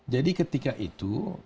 jadi ketika itu